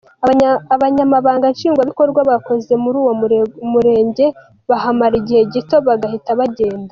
Abanyamabanga nshingwa bikorwa bakoze muri uwo murenge bahamara igihe gito bagahita bagenda.